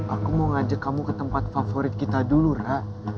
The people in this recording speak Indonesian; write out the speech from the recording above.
aku mau ngajak kamu ke tempat favorit kita dulu ra